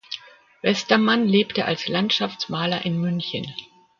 Westermann lebte als Landschaftsmaler in München.